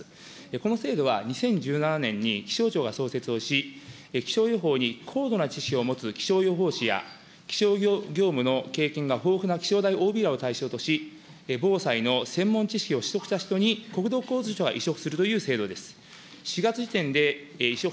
この制度は２０１７年度に気象庁が創設をし、気象予報に高度な知識を持つ気象予報士や気象業務の経験が豊富な気象台ＯＢらを対象とし、防災の専門知識を取得してきた人に国土交通省が委嘱するという制度です。